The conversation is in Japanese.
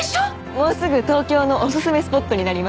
もうすぐ東京のオススメスポットになります